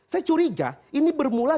saya curiga ini bermula